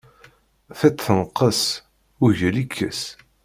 Tiṭ tenqes, ugel ikkes.